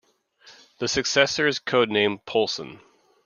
The successor is code-named "Poulson".